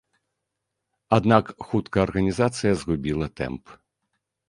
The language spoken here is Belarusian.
Аднак хутка арганізацыя згубіла тэмп.